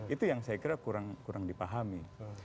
itu yang saya kira kurang dipahami